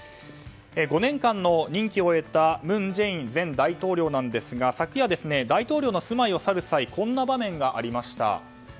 ５年間の任期を終えた文在寅前大統領ですが昨夜、大統領の住まいを去る際こんな場面がありました。